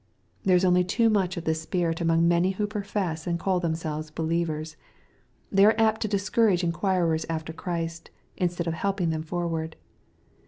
There is only too much of this spirit among many who profess and call themselves believers. They are apt to discourage inquirers after Christ, instead of helping them forward.